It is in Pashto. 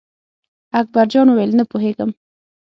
اکبر جان وویل: نه پوهېږم.